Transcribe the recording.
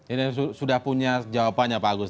ini sudah punya jawabannya pak agus